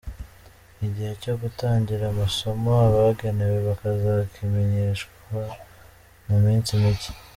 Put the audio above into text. Igihe cyo gutangira amasomo abagenewe bakazakimenyeshwa mu minsi mike.